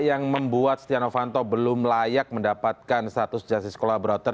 yang membuat setia novanto belum layak mendapatkan status justice collaborator